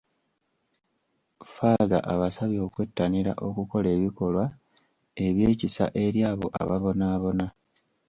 Ffaaza abasabye okwettanira okukola ebikolwa ebyekisa eri abo ababonaabona.